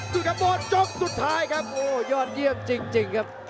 สู้กับโบสถ์จบสุดท้ายครับโอ้ยยอดเยี่ยมจริงครับ